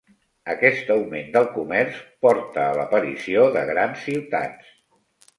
Aquest augment del comerç porta a l'aparició de grans ciutats.